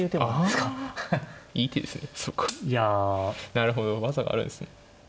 なるほど技があるんですね。